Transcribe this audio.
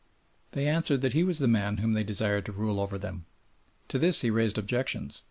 They answered that he was the man whom they desired to rule over them. To this he raised objections.